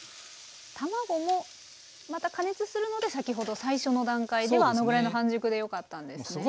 卵もまた加熱するので先ほど最初の段階ではあのぐらいの半熟でよかったんですね。